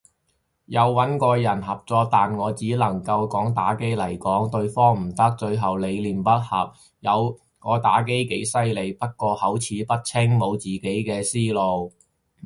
有穩過人合作，但我只能夠講打機來講，對方唔得，最後理念不合，有個打機几犀利，不過口齒不清，無自己嘅思路。